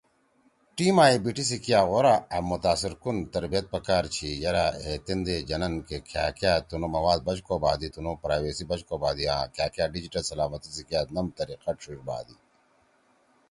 ٹیم ائی بی ٹی سی کیا غورا آں متاثرکن تربیت پکار چھی یرأ ہے تیندے جنَن کہ کھأکأ تُنُو مواد بچ کوبھادی، تُنُو پرائوسی بچ کوبھادی آں کھأکأ ڈیجیٹل سلامتی سی کیا نم طریقہ ڇھیِڙ بھادی۔